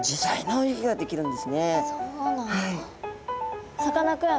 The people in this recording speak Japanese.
そうなんだ。